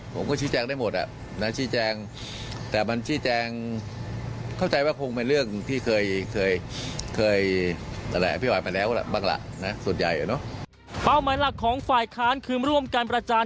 ประจำความเป็นความตรงต่อไป